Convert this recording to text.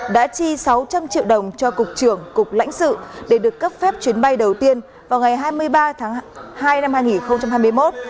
đã chi sáu trăm linh triệu đồng cho cục trưởng cục lãnh sự để được cấp phép chuyến bay đầu tiên vào ngày hai mươi ba tháng hai năm hai nghìn hai mươi một